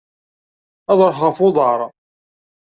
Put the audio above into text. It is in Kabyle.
Ad ruḥeɣ ɣef uḍar.